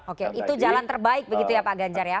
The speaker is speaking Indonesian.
oke itu jalan terbaik begitu ya pak ganjar ya